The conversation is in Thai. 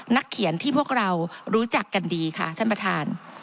นักเขียนที่พวกเรารู้จักกันดีค่ะท่านประธาน